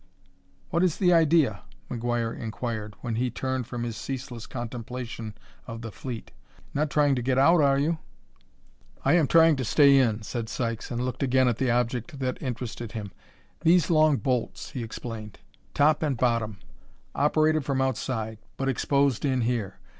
"What is the idea?" McGuire inquired, when he turned from his ceaseless contemplation of the fleet. "Not trying to get out, are you?" "I am trying to stay in," said Sykes, and looked again at the object that interested him. "These long bolts," he explained: "top and bottom; operated from outside, but exposed in here.